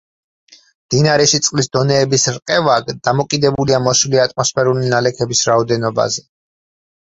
მდინარეში წყლის დონეების რყევა დამოკიდებულია მოსული ატმოსფერული ნალექების რაოდენობაზე.